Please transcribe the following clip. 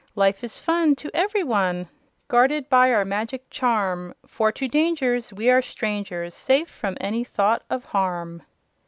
Life is fun To ev'ry one Guarded by our magic charm For to dangers We are strangers, Safe from any thought of harm."